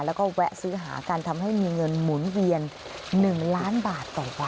แล้วก็แวะซื้อหากันทำให้มีเงินหมุนเวียน๑ล้านบาทต่อวัน